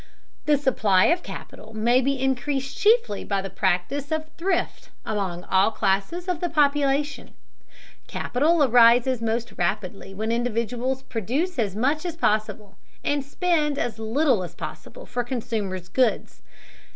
The supply of capital may be increased chiefly by the practice of thrift among all classes of the population. Capital arises most rapidly when individuals produce as much as possible, and spend as little as possible for consumers' goods.